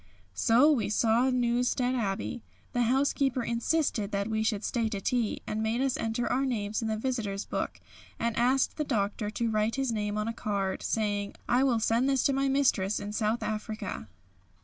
So we saw Newstead Abbey. The housekeeper insisted that we should stay to tea, and made us enter our names in the visitors' book, and asked the Doctor to write his name on a card, saying, "I will send this to my mistress in South Africa."